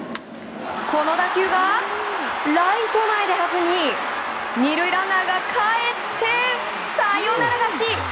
この打球がライト前で弾み２塁ランナーがかえってサヨナラ勝ち！